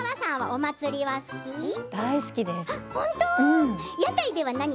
大好きです。